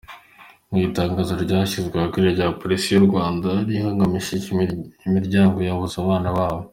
Mu itangazo ryashyizwe ahagarara na Polisi y’u Rwanda, yihanganishije imiryango yabuze abana babo.